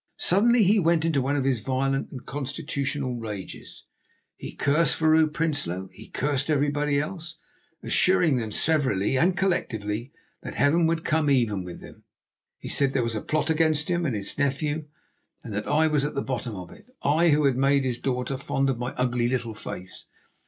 Suddenly he went into one of his violent and constitutional rages. He cursed Vrouw Prinsloo. He cursed everybody else, assuring them severally and collectively that Heaven would come even with them. He said there was a plot against him and his nephew, and that I was at the bottom of it, I who had made his daughter fond of my ugly little face.